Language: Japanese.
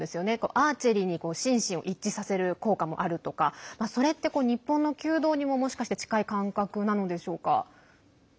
アーチェリーに心身を一致させる効果もあるとかそれって日本の弓道にも近い感覚なのでしょうか。